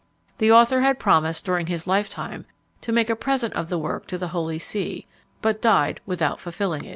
The author had promised, during his lifetime, to make a present of the work to the Holy See, but died without fulfilling it.